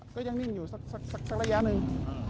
ก็ยังนิ่งอยู่สักระยะหนึ่ง